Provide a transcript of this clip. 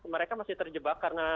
mereka masih terjebak karena